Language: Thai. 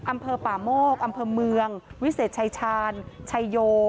อำเภอป่าโมกอำเภอเมืองวิเศษชายชาญชัยโย